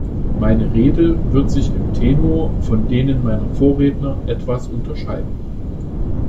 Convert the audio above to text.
Meine Rede wird sich im Tenor von denen meiner Vorredner etwas unterscheiden.